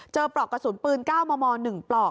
เจอปลอกกระสุนปืนก้าวมอ๑ปลอก